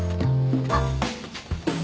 あっ。